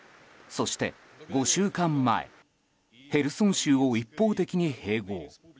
そして、５週間前ヘルソン州を一方的に併合。